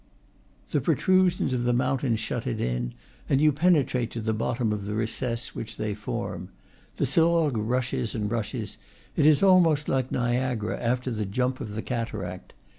The protrusions of the mountain shut it in, and you penetrate to the bottom of the re cess which they form. The Sorgues rushes and rushes; it is almost like Niagara after the jump of the cataract.